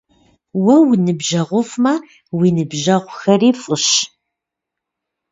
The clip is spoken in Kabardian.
Уэ уныбжьэгъуфӀмэ, уи ныбжьэгъухэри фӀыщ.